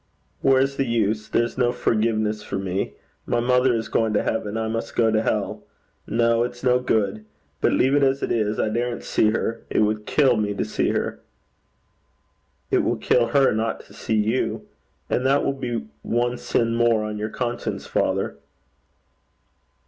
'Where's the use? There's no forgiveness for me. My mother is going to heaven. I must go to hell. No. It's no good. Better leave it as it is. I daren't see her. It would kill me to see her.' 'It will kill her not to see you; and that will be one sin more on your conscience, father.'